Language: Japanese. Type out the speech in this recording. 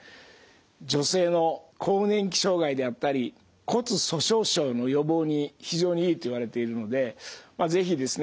女性の更年期障害であったり骨粗しょう症の予防に非常にいいといわれているので是非ですね